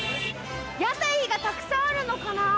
屋台がたくさんあるのかな。